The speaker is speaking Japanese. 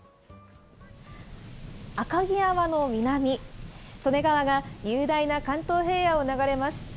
赤城山の南、利根川が雄大な関東平野を流れます。